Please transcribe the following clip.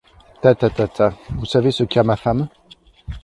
Ta ! ta ! ta ! ta ! vous savez ce qu’a ma femme !